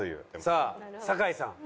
さあ酒井さん。